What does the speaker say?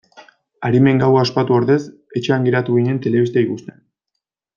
Arimen gaua ospatu ordez etxean geratu ginen telebista ikusten.